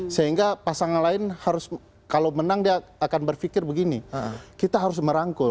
sehingga pasangan lain harus kalau menang dia akan berpikir begini kita harus merangkul